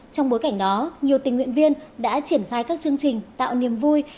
trong bối cảnh đó nhiều tình nguyện viên đã triển khai các chương trình tạo niềm vui